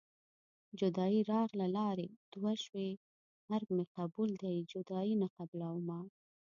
جدايي راغله لارې دوه شوې مرګ مې قبول دی جدايي نه قبلومه